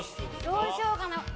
どうしようかな。